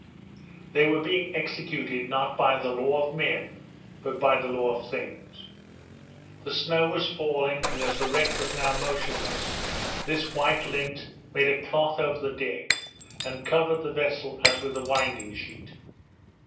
They were being executed, not by the law of man, but by the law of things. The snow was falling, and as the wreck was now motionless, this white lint made a cloth over the deck and covered the vessel as with a winding sheet.